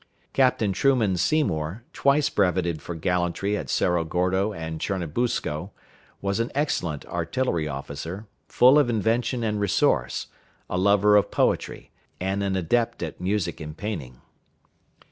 Captain Truman Seymour, twice brevetted for gallantry at Cerro Gordo and Chernbusco, was an excellent artillery officer, full of invention and resource, a lover of poetry, and an adept at music and painting.